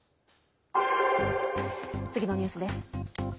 次のニュースです。